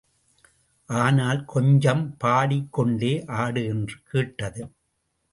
ஆனால் கொஞ்சம் பாடிக் கொண்டே ஆடு என்று கேட்டது.